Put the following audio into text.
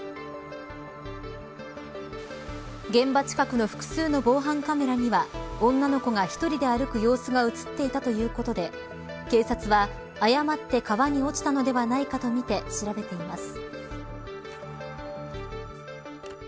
現場近くの複数の防犯カメラには女の子が１人で歩く様子が映っていたということで警察は誤って川に落ちたのではないかとみて調べています。